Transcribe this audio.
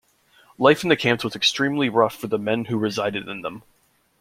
Life in the camps was extremely rough for the men who resided in them.